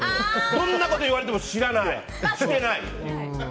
どんなこと言われても知らない、してない。